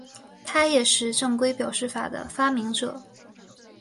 他也是正规表示法的发明者。